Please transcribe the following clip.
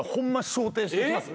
掌底してきます